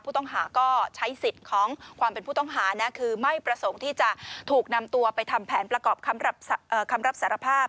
ผู้ต้องหาก็ใช้สิทธิ์ของความเป็นผู้ต้องหานะคือไม่ประสงค์ที่จะถูกนำตัวไปทำแผนประกอบคำรับสารภาพ